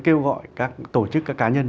kêu gọi các tổ chức các cá nhân